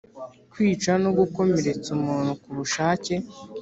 Kwica no gukomeretsa umuntu ku bushake